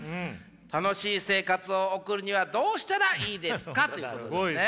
楽しい生活を送るにはどうしたらいいですか？」。ということですね。